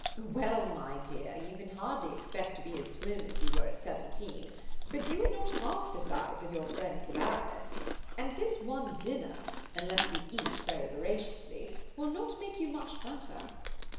"Well, my dear, you can hardly expect to be as slim as you were at seventeen, but you are not half the size of your friend the Baroness; and this one dinner, unless you eat very voraciously, will not make you much fatter."